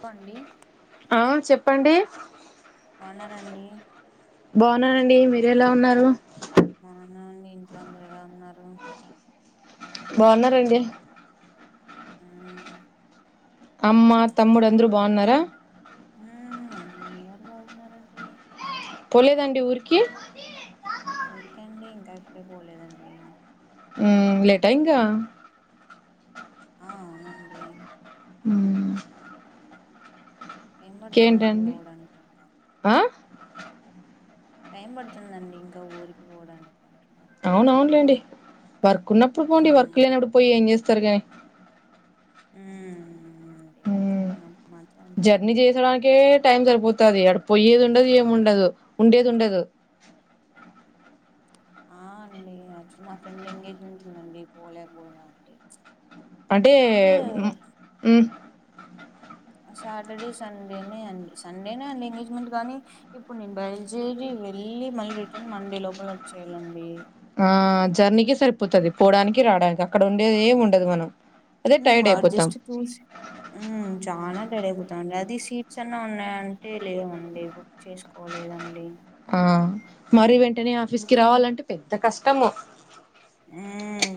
లో అండి ఆ చెప్పండి బగ్గున్నారా అండి బాగున్ననండి మీరు ఎలా ఉన్నారు అవున అండి ఇంట్లో అందరు ఎలా ఉన్నారు బాగున్నారండి ఉహు అమ్మ తమ్ముడు అందరు బాగున్నారా ఉమ్ అందరు బాగున్నారండి పోలేదండి ఊరికి ఊరికే అండి ఇంకా ఇప్పుడే పోలేదండి ఉమ్ లేట్ ఇంగ ఆ అవునండి ఉమ్మ్ టైం పడుతుందండి పోవడానికి ఆ టైం పడుతుందండి ఇంకా ఊరికి పోవడానికి అంటున్నాండి అవును అవునులేండి వర్క్ ఉన్నప్పుడు పోండి మ్మ్ వర్క్ లేనప్పుడు పోయి ఏం చేస్తారు కానీ ఉ నుండి ఉమ్ కున్నామ మాత్రమ జర్నీ చేసడానికే టైం సరిపోతుంది అక్కడ పోయేది ఉండదు ఏముండదు ఉండేది ఉండదు ఆ అండి యాక్చులీ మా ఫ్రెండ్ ఎంగేజ్మెంట్ ఉందండి పోలేకపోయినా అండి అంటే సాటర్డే సండేనే అండి సండేనే అండి ఎంగేజ్మెంట్ కానీ ఇప్పుడు నేను బయలుదేరి వెళ్ళలి మళ్ళీ రిటర్న్ మండే లోపల వచ్చయాలండి ఆ జర్నీకి సరిపోతుంది పోడానికి రావడానికి అక్కడ ఉండేది ఏమి ఉండదు మనం అదే ఉ టైర్డ్ మ అయిపోతాం జస్ట్ చూసి చాలా టైడ్ అపోతామండి అది సవీట్స్ అన్నా ఉన్నాయంటే లేవుండి లేవు చేసుకోలేదండి ఆ మరి వెంటనే ఆఫీస్ కి బుకింగ్ రావాలంటే పెద్ద కష్టము ఉ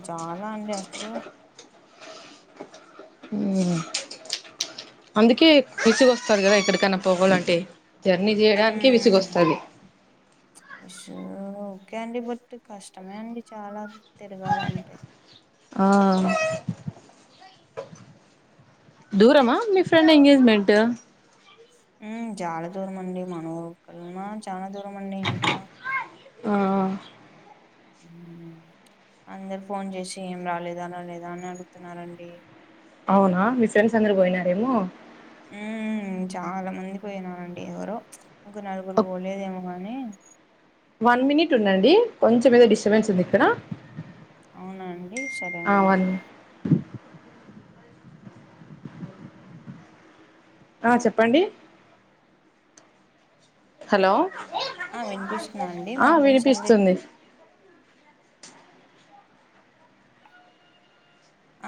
చాలా అండి అసలు అందుకే కుష వస్తారు కదా ఎక్కడికైనా పోవాలంటే జర్నీ చేయడానికి విసుగ వస్తది ఇష ఓకే అండి బట్ కష్టమే అండి చాలా తిరగాలంటే ఆ దూరమా మీ ఫ్రెండ్ ఎంగేజ్మెంట్ ఉమ్ చాలా దూరం అండి మన ఊరు కన్నా చాలా దూరం అండి ఇంకా ఆ అందరు ఫోన్ చేసి ఏం రాలేదా రాలేదా అని అడుగుతున్నారండి అవునా మీ ఫ్రెండ్స్ అందరు పోయినారేమో ఉ చాలా మంది పోయినారండి ఎవరు ఇంక నలుగురు పోలేదేమో గాని వన్ మినిట్ ఉందండి కొంచెం ఏదో డిస్టర్బెన్స్ ఉంది ఇక్కడ అవునాండి సరే ఆ అండి వన్ ఆ చెప్పండి హలో ఆ వినిపిస్తున్నాను అండి ఆ మా ఫ్రెండ్స్ సందీప్ వినిపిస్తుంది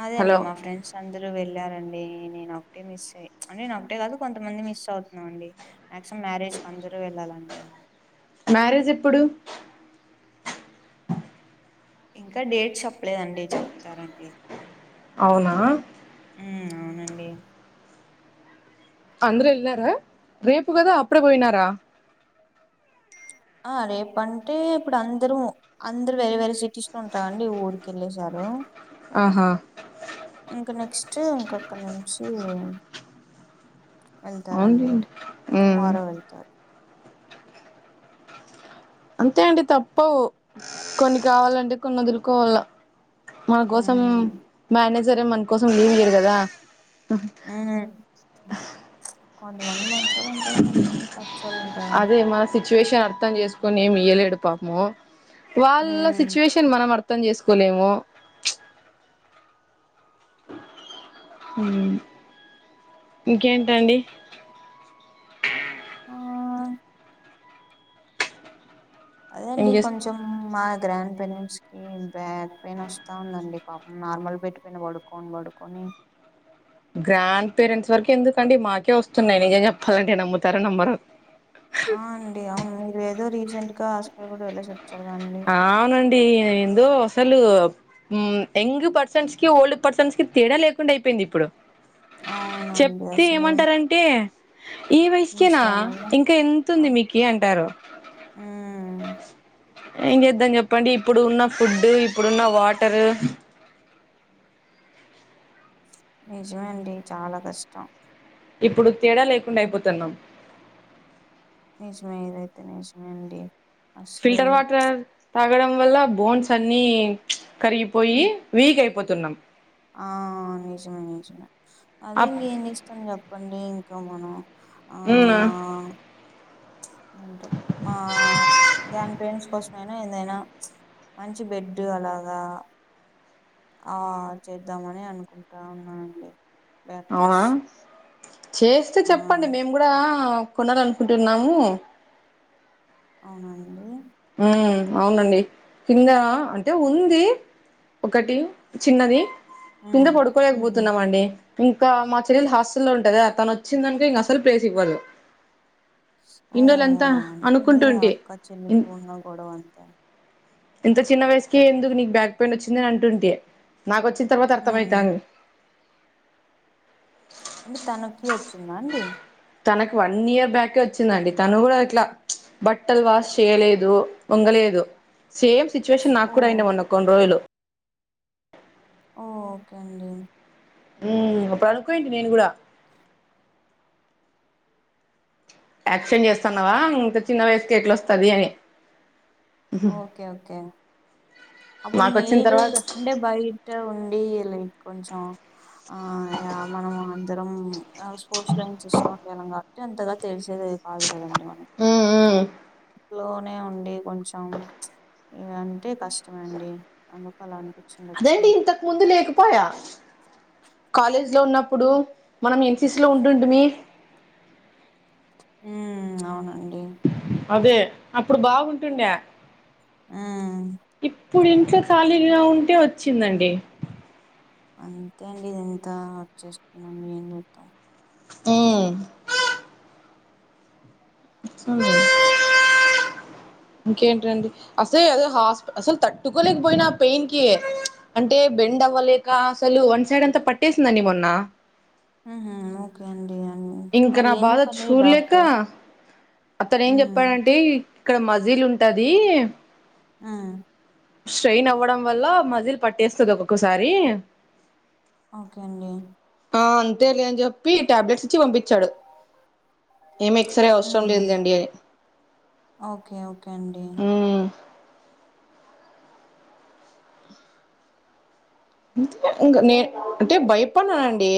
అదే అండి హలో మా ఫ్రెండ్స్ అందరూ వెళ్ళారంండి నేను ఒకటే మిస్ అయ అంటే నేను ఒకటే కాదు కొంతమంది మిస్ అవుతున్నాం అండి మాక్సిమం మ్యారేజ్ కీ అందరూ వెళ్ళాలండి మ్యారేజ్ ఎప్పుడు ఇంకా డేట్ చెప్పలేదండి చెప్తారండి అవునా ఉమ్మ్ అవునండి అందరూ వెళ్ళినారా రేపు కదా అప్పుడే పోయినారా ఆ రేపు అంటే ఇప్పుడు అందరూ అందరుూ వేరే వేరే సిటీస్ లో ఉంటండి ఊరికెళ్ళసారు ఆహా ఇంకా నెక్స్ట్ ఇంక అక్కడ నుంచి వెళ్తారండి అవునులేండి ఉమ్ టుమారో వెళ్తారు అంతే అండి తప్పవు కొన్ని కావాలంటే కొన్ని వదులుకోవాల మన కోసం మ్మ్ మేనేజరే మన కోసం లీవ్ ఇయరు కదా ఉమ్ కొంతమంది మంచోలు ఉంటారు కొంతమంది కచ్చోళ్ళు ఉంటారండి అదే మన సిచ్యువేషన్ అర్థం చేసుకుని ఏమి ఇయలేడిపాము వాళ్ళ మ్మ్ సిచ్యువేషన్ తిన్ మనం అర్థం చేసుకోలేము ఇంకేంటండి ఆ ఏం అదండి చేస్ కొంచెం అ మ్మా గ్రాండ్ పేరెంట్స్ కి బ్యాన్ పెయిన్ ఒస్తా ఉందండి పాపం నార్మల్ బెట్ పెయిన్ పడు కోన్ బడుకని గ్రాండ్ పేరెంట్స్ వరక్ ఎందుకండి మాకే ఒస్తున్నాయి నిజం చెప్పాలండి నమ్ముతారో నమ్మరు ఆ అండి అవును మీర్ ఏదో రీసెంట్ గా హాస్పిటల్ కూడా వెళ్ళసిచ్చారుగండి ఆవునండి ఎందో అసలు ఉమ్ యంగ్ పర్సన్స్ కి ఓల్డ్ పర్సన్స్ కి తేడా లేకుండా యిపోయిందిప్పుడు అవునండి చెప్తే అసలు ఏమంటారంటే ఈ వయసుకెనా ముసలామె కదా ఇంకా ఎంత్తుంది మీకీ అంటారు ఊ యేమ్ జెద్దం జెప్పండి ఇప్పుడు ఉన్న ఫుడ్ ఇప్పుడున్న వాటరు నిజమే అండి చాలా కష్టం ఇప్పుడు తేడా లేకుండాయిపోతన్నాం నిచమే ఏదైతే నిచమే అండి అసలు ఫిల్టర్ వాటర్ తాగడం వల్ల బోన్స్ అన్నీ కరిగిపోయి వి వీక్ అయిపోతున్నాం ఆ నిజమే నిజమే అదే అప్ ఇంకేం నిష్టం చెప్పండి ఇంకా మనం ఆ ఉమ్ మా ఉంటు ఆ దాన్ ఫ్రెండ్స్ కోస్ ఐనా ఏందైనా మంచి బెడ్డు అలాగా ఆ చేద్దామని అనుకుంటా ఉన్నానండి అవునా బ్యాటరీస్ చేస్తే ఆ చెప్పండి మేము గుడా కొనాలనుకుంటున్నాము అవునండి ఊ అవునండి కిందా అంటే ఉంది ఒకటి చిన్నది కింద ఉమ్ ఉహు పడుకోలేకపోతున్నామండి ఇంకా మా చెర్యల్ హాస్టల్లో ఉంటదా తన్ ఒచ్చిందనుక ఇంకస్సల్ ప్లేస్ ఇవ్వదు ఇండోలంతా అనుకుంటుంటి చిన్న ఇన్ పూన గొడవంత ఇంత చిన్న వయసుకి ఎందుకు నీక్ బ్యాక్ పెయిన్ ఒచ్చిందన్ అంటుంటే నాకొచ్చిన్ తర్వాత అర్థం ఉమ్ అయితాంద్ అంటె తనకి ఓచ్చిందా అండి తనక్ వన్ ఇయర్ బ్యాకే ఓచ్చిందండి తను గూడా ఇట్లా బట్టల్ వాష్ చేయలేదు ఒంగలేదు సేమ్ సిచువేషన్ ఓ నాక్కూడా అయిండే వొన్న కొన్ రోజులు ఓకేండి ఊమ్ అప్పుడ్ అనుకున్నీంటి నేను గుడా యాక్షన్ చేస్తన్నావా ఇంక చిన్న వయసుకె ఎట్లోస్తది అని ఓకే ఓకే అప్పుడు మాకొచ్చిన మీరు తర్వాత అంటే బయట ఉండి లీక్ కొంచెం ఆ ఇయా మనం అందరం అ స్పోర్ట్స్ లోంచి ఇష్టండళ్ళం కాబట్టి అంతగా తెలిసేది కాదు కదండి మనకు ఉమ్ ఉమ్ ఇ లోనే ఉండి కొంచెం ఇగ్ అంటే కష్టమె అండి అందుకల అనిపి అదేంటి ఇంతకు ముందు లేకపాయా కాలేజ్ లో ఉన్నప్పుడు మనం ఎన్సిసి లో ఉంటుంటిమి ఉ అవునండి అదే అప్పుడు బాగుంటుండే ఆ ఇప్పుడు ఇంట్లో ఖాళీగా ఉంటే వచ్చిందండి అంతే అండి ఇది ఎంత వక్ చేస్తుందండి ఏం చేద్దాం అ అ ఇంకేంటండి అసే అదో హాస్పి అసలు తట్టుకోలేకపోయినా పెయిన్ కి అంటే బెండ్ అవ్వలేక అసలు వన్ సైడ్ అంతా పట్టేసిందండి మొన్న ఓకే అండి అ ఇంక మరి నా ఏం బాధ చెప్తూన్నారు చూడలేక డాక్టర్ అతను ఏం ఉమ్ చెప్పాడంటే ఇక్కడ మజీల్ ఉంటది ఆ స్ట్రయిన్ అవ్వడం వల్ల మజిల్ పట్టేస్తుంది ఒక్కొక్కసారి ఓకే అండి ఆ అంతేలే అని చెప్పి టాబ్లెట్స్ ఇచ్చి పంపించాడు ఏం ఎక్సరే అవసరం హుహు. లేదండి ఓకే. ఓకే అండి. ఉమ్ ఇంకా నేను అంటే భయపన్నానండి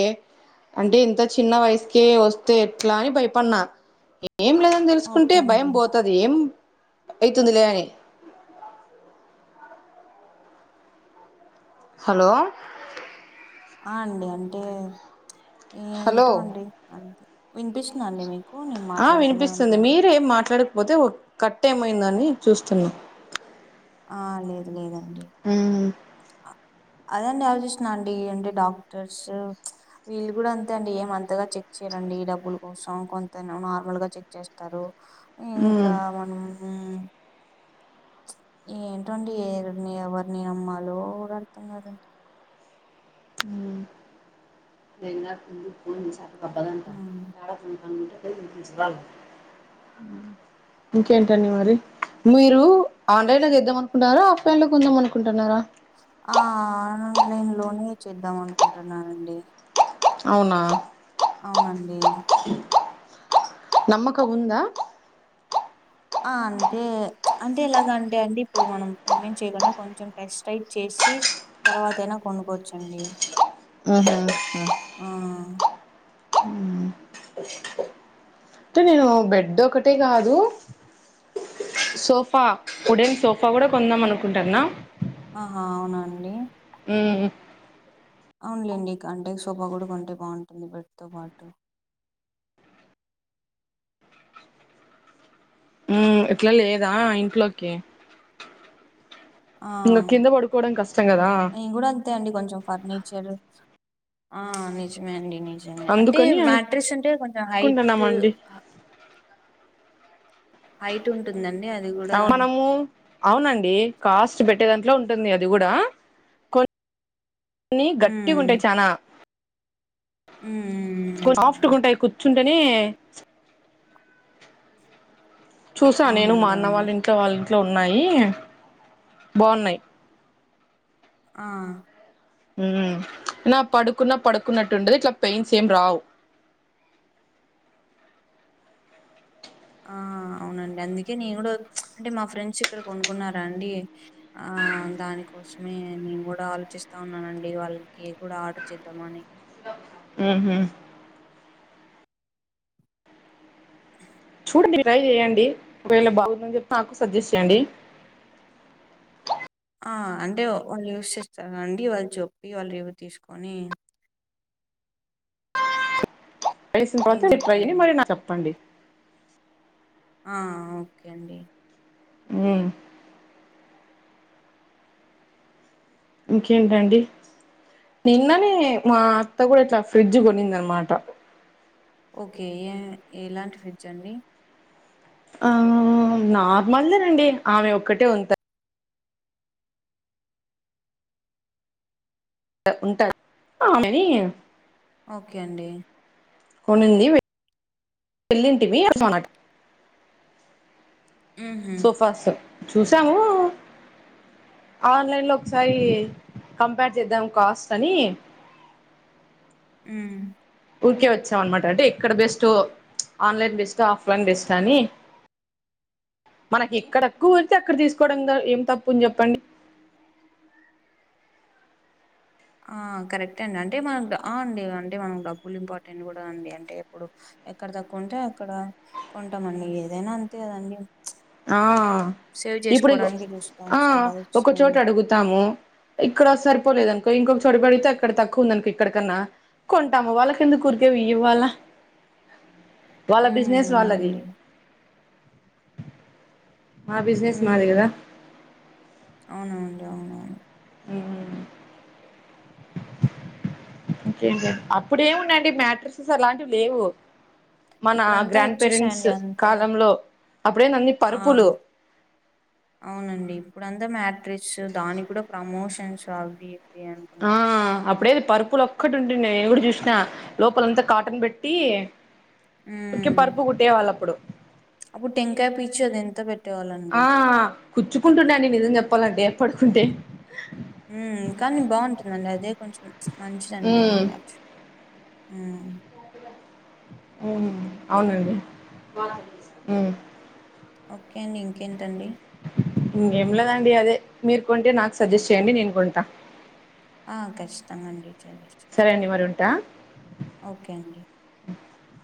అంటే ఇంత చిన్న వయసుకే వస్తే ఎట్లా అని భయపడిన ఏం లే దని తెలుసుకుంటే ఓకే అండి. భయం పోతది ఏం అవుతుంది లే అని హలో ఆ అండి అంటే హలో ఏంటో అండి అంతే వినిపిస్తుందా అండి నేను ఆ మాట్లాడుతూనే ఉన్నా వినిపిస్తుంది అండి. మీరే ఏం మాట్లాడకపోతే కట్ ఏమైందని చూస్తున్నా ఆ లేదు లేదండి ఉమ్ అదండి ఆలోచిస్తున్న అండి ఏంటి డాక్టర్స్ వీళ్ళు కూడా అంతే అండి ఏం అంతగా చెక్ చేయరండి డబ్బుల కోసం కొంత నార్మల్ గా చెక్ చేస్తారు ఇంకా ఉమ్ మనం ఏంటోండి ఎవరి ఎవరిని నమ్మాలో కూడా అర్థం కాదండి నిన్నటి నుండి హ్మ్. [unintelligible] పోయి ఇంకేంటండి మరి మీరు ఆన్లైన్ లో చేద్దాం అనుకుంటన్నారా ఆఫ్లైన్ లో కొందాం అనుకుంటున్నారా ఆ ఆన్లైన్ లోనే చేద్దాం అనుకుంటున్నానండి అవునా అవునండి నమ్మకం ఉందా ఆ అంటే అంటే ఇలాగ అంటే అండి ఇప్పుడు మనం పేమెంట్ చేయకుండా కొంచెం టెస్ రైట్ చేసి తర్వాత అయినా కొనుక్కోచ్చండి ఉ ఆ హ అంటే నేను బెడ్ ఒకటే కాదు సోఫా ఉడేన్ సోఫా కూడా కొందామనుకుంటున్న ఆహా అవునండి ఉమ్ అవునులేండి కాంటెక్ సోఫా కూడా కొంటే బాగుంటుంది బెడ్ తో పాటు ఉం ఏట్లా లేదా ఇంట్లోకి ఆ ఇంగ కింద పడుకోవడం కష్టం గదా నేను కూడా అంతే అండి కొంచెం ఫర్నిచర్ ఆ నిజమే అండి నిజ అంటే అందుకని మ్యాట్రిసు అంటే కొంచెం హైట్ అనుకుంటున్నామండి హైట్ ఉంటుందండి అది కూడా అవును మనము అవునండి కాస్ట్ పెట్టే దాంట్లో ఉంటుంది అది కూడా కొ కొన్ని గట్టి గుంటాయి చానా ఉం సాఫ్ట్గా ఉంటాయి కూర్చుంటేనే చూసా నేను మా అవునండి అన్న అవును వాళ్ళ ఇంట్లో వాళ్ళ ఇంట్లో ఉన్నాయి బాగున్నాయి ఆ ఉం నా పడుకున్న పడుకున్నట్టు ఉండదు ఇట్లా పెయిన్స్ ఏం రావు ఆ అవునండి అందుకే నేను కూడా చ్ అంటే మా ఫ్రెండ్స్ ఇక్కడ కొనుకున్నారా అండి ఆ దానికోసమే నేను కూడా ఆలోచిస్తా ఉన్నానండి వాళ్ళ కి కూడా ఆర్డర్ చేద్దామని హు హామ్ చూడండి మీరూ ట్రై చెయండి ఒకవేళ బాగుందని చెప్పి నాకు సజెస్ట్ చేయండి ఆ అంటే వాళ్ళు యూస్ చేస్తారు గా అండి వాళ్ళు చప్పి వాళ్ళు యూస్ తీసుకొని వేసిన నేను తర్వాత ఇ ట్రైని చెప్తాను. మరి నాకు చెప్పండి [unintelligible] ఆ ఓకే అండి ఉం ఇంకేంటండి నిన్ననే మా అత్త కూడా ఇట్లా ఫ్రిడ్జ్ కొనింద అనమాట ఓకే ఏ ఎలాంటి ఫ్రిడ్జ్ అండి ఆ నార్మల్ దే అండి ఆమె ఒక్కటే ఉంటా ఉంటారుమెని [unintelligible] ఓకే అండి కొన్నింది వెళ్ళింటివి అసనటు [unintelligible] హుహు. సోఫాస్ చూసాము ఆన్లైన్లో ఒకసారి కంపేర్ చేద్దాం కాస్ట్ అని ఉమ్ ఊరికే వచ్చాం అన్నమాట అంటే ఇక్కడ best online best offline best అని మనకి ఎక్కడ ఎక్కువ పెడితే అక్కడ తీసుకోవడం ఏం తప్పుంది చెప్పండి ఆ కరెక్ట్ అండి అంటే మనకు అండి అంటే మనకు డబ్బులు ఇంపార్టెంట్ కూడా అండి అంటే ఇప్పుడు ఎక్కడ తక్కువంటే అక్కడ కొంటామండి ఏదైనా అంతే కదండి ఆ ఇప్పుడు ఇగో చూస్తాం ఆ సంపాదించడం ఒకచోట అడుగుతు తాము ఇక్కడ సరిపోలేదునుకో ఇంకొక చోడ పెడితే అక్కడ తక్కువ ఉందినుకో ఇక్కడకన్నా కొంటాము వాళ్ళ కెందుకు ఊరికే వియ్యాల ఉం వాళ్ళది అవునండి మా బిజినెస్ మాది ఉం కదా అవునండి అవునవును ఉం ఇంకేంటండి అప్పుడేముండండి మ్యాట్రిసెస్ అలాంటివి లేవు మన ఇప్పుడంతా గ్రాండ్ పేరెంట్స్ వచ్చేసాయండి అంతా కాలంలో అప్పుడెంది అన్ని ఆ పరుపులు అవునండి ఇప్పుడుంతా మ్యాట్రిసు దాని కూడా ప్రమోషన్స్ అవి ఇవి ఆ అనుకుంటా అప్పుడేది పరుపులకు ఒక్కటి ఉంటుడే ఎవడు చూసిన లోపలంతా కాటన్ పెట్టి ఉకి పరుపు కుట్టి తేవాళ్ళప్పుడు అప్పు టెంకా పిచు దేనితో పె ఆ కుచ్చుకుంటునాయండి నిజం చెప్పాలంటే పడుకుంటే కానీ బాగుంటుందండి అదే కొంచెం మంచిదండి ఉమ్ యాచు ఉమ్ అవునండి ఆ ఓకే అండి ఇంకేంటండి ఇంకేంలేదండి అదే మీరు కొంటే నాకు సజెస్ట్ చేయండి నేను కొంటా ఆ ఖచ్చితంగాండి చేపిస్ సరే అండి మరి ఉంటా ఓకే అండి